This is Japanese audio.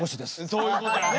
そういうことやね。